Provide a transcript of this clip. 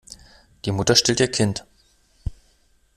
Die Mutter stillt ihr Kind.